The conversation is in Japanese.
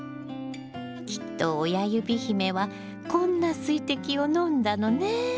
きっと親指姫はこんな水滴を飲んだのね。